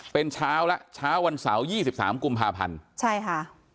เป็นเช้าแล้วเช้าวันเสาร์๒๓กุมภาพันธ์ใช่ค่ะ